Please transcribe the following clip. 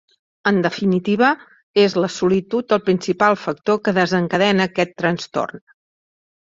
En definitiva, és la solitud el principal factor que desencadena aquest trastorn.